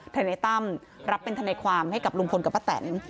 ทนายตั้มรับเป็นทนายความให้กับลุงพลกับป้าแตน